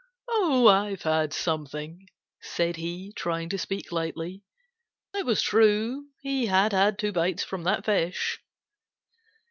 "Oh, I've had something," said he, trying to speak lightly. It was true; he had had two bites from that fish.